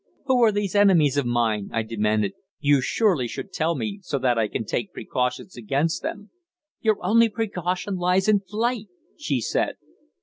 "Who are these enemies of mine?" I demanded. "You surely should tell me, so that I can take precautions against them." "Your only precaution lies in flight," she said.